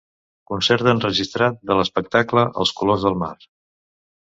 Concert enregistrat de l’espectacle Els Colors del Mar.